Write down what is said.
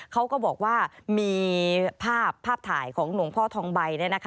เขาก็บอกว่ามีภาพภาพถ่ายของหลวงพ่อทองใบ